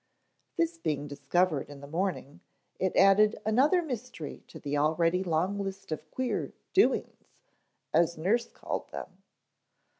This being discovered in the morning, it added another mystery to the already long list of queer "doin's," as nurse called them.